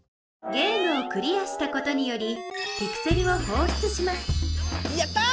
ゲームをクリアしたことによりピクセルをほうしゅつしますやったぁ！